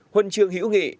huân chương hữu nghị